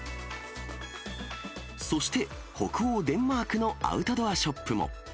そして、北欧デンマークのアウトドアショップも。